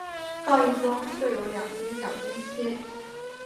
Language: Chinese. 放映中设有两次小间歇。